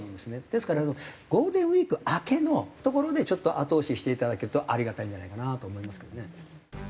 ですからゴールデンウィーク明けのところでちょっと後押ししていただけるとありがたいんじゃないかなと思いますけどね。